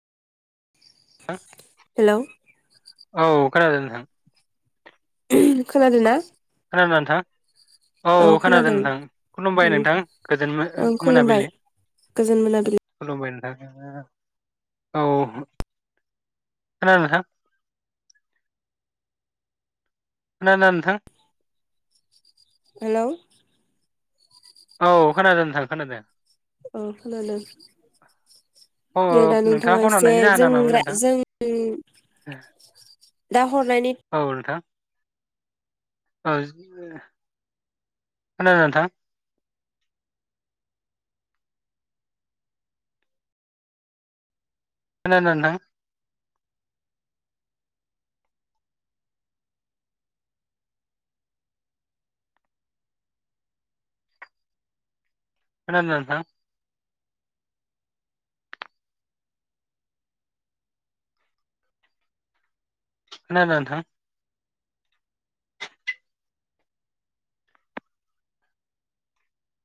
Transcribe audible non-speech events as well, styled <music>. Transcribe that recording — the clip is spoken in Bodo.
हेल' औ खोनादों नोंथां। खोनादों नोंथां औ खोनादों नोंथां खुलुमबाय उम नोंथां गोजोन ओं खुलुमबाय मो-ओ-मोनाबिलि गोजोन मोनाबिलि खुलुमबाय नोंथां औ खोनादों नोंथां खोनादोना नोंथां हेल' औ खोनादों नोंथां खोनादों औ खोनादों दे दा अ नोंथाङा फन एसे हरनायनि जाहोना जों मामोन नोंथां रा-जों दा हरनायनि औ नोंथा <unintelligible> खोनादोना नोंथां? खोनादोना नोंथां? खोनादोना नोंथां? खोनादोना नोंथां?